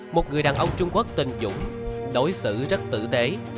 một người đàn ông trung quốc tình dũng đối xử rất tử tế